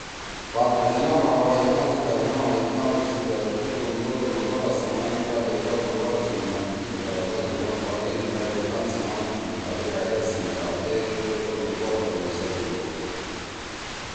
فاطمہ جناح ما علاوہ ایوب خان سی کابینہ ما ایوب خان او تیِسی دأل دُو کمزور اُمیدوارا سمان ڇا بےکار اُمیدوارا سی نامزدگی سی کاغذات ہُم جمع کُواگئی میلائی ایوب خان سمان انتخابی قاعدا سی مطابق چؤ اُمیدوار ووٹا می حِصہ گھیِن بھؤدُود